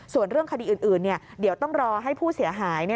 ส่วนเรื่องคดีอื่นเดี๋ยวต้องรอให้ผู้เสียหาย